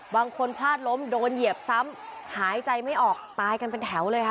บางคนพลาดล้มโดนเหยียบซ้ำหายใจไม่ออกตายกันเป็นแถวเลยค่ะ